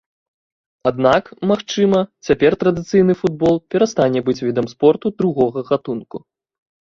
Аднак, магчыма, цяпер традыцыйны футбол перастане быць відам спорту другога гатунку.